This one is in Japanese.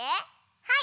はい！